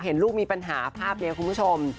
เห็นลูกมีปัญหาภาพนี้คุณผู้ชม